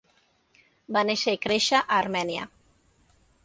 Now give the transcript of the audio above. Va néixer i créixer a Armènia.